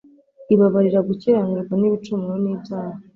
ibababarira gukiranirwa nibicumuro nibyaha